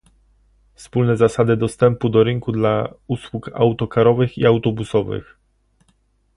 Wspólne zasady dostępu do rynku dla usług autokarowych i autobusowych